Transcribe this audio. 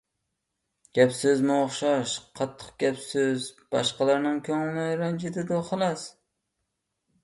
گەپ-سۆزمۇ ئوخشاش. قاتتىق گەپ-سۆز باشقىلارنىڭ كۆڭلىنى رەنجىتىدۇ، خالاس.